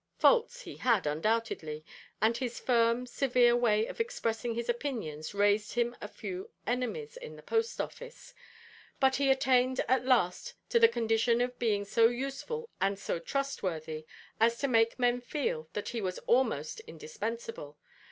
Faults he had, undoubtedly, and his firm, severe way of expressing his opinions raised him a few enemies in the Post Office, but he attained at last to the condition of being so useful and so trustworthy as to make men feel that he was almost indispensable.